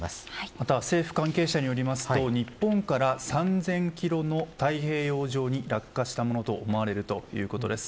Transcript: または政府関係者によりますと日本から３０００キロの太平洋上に落下したものと思われるということです。